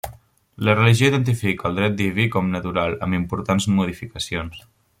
La religió identifica el Dret Diví com Natural amb importants modificacions.